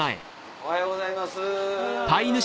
おはようございます。